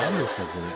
これ。